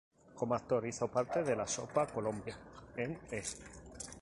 Como actor hizo parte de "La Sopa Colombia" en E!